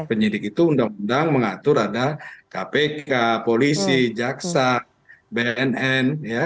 penyidik itu undang undang mengatur ada kpk polisi jaksa bnn